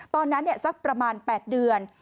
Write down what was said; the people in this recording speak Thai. ตอนนั้นสักประมาณ๘เดือน